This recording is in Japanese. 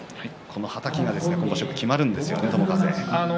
はたきが気持ちよくきまるんですね、友風。